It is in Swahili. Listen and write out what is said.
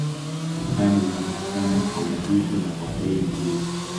Burudani zinapatikana kwa urahisi na kwa bei nzuri